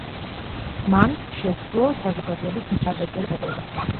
მან შესძლო საზოგადოების მხარდაჭერის მოპოვება.